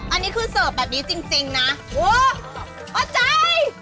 อันนี้คือเสิร์ฟแบบนี้จริงนะโอ้เข้าใจ